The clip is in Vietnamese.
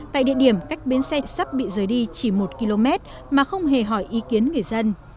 tại địa điểm cách bến xe sắp bị rời đi chỉ một km mà không hề hỏi ý kiến người dân